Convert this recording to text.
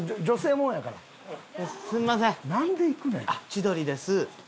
千鳥です。